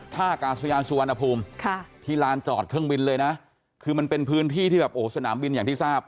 ท่ากาศยานสุวรรณภูมิที่ลานจอดเครื่องบินเลยนะคือมันเป็นพื้นที่ที่แบบโอ้สนามบินอย่างที่ทราบ